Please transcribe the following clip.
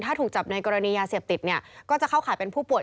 ถ้าถูกจับในกรณียาเสียบติดก็จะเข้าข่าวเป็นผู้ป่วย